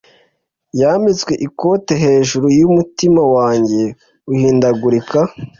yambitswe ikote hejuru yumutima wanjye uhindagurika